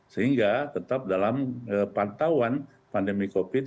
sehingga tetap dalam pantauan pandemi covid sembilan belas